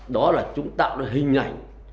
đó là chúng tạo ra hình ảnh